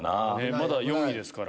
まだ４位ですから。